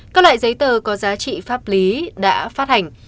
các loại giấy tờ có giá trị pháp lý đã phát hành